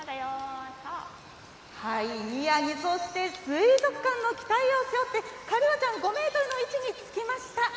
宮城、そして水族館の期待を背負って、カルーアちゃん、５メートルの位置につきました。